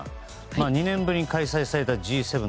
２年ぶりに開催されたＧ７